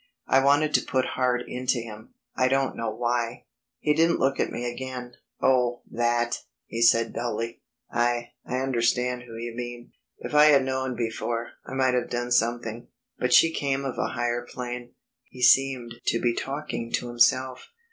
I wanted to put heart into him. I don't know why. He didn't look at me again. "Oh, that," he said dully, "I I understand who you mean.... If I had known before I might have done something. But she came of a higher plane." He seemed to be talking to himself.